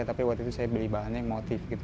tapi waktu itu saya beli bahannya yang motif gitu